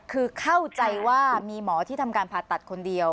คือเข้าใจว่ามีหมอที่ทำการผ่าตัดคนเดียว